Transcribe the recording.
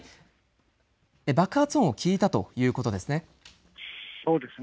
爆発音を聞いたということですね。